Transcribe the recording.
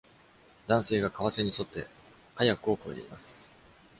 男性が川瀬に沿ってカヤックを漕いでいます。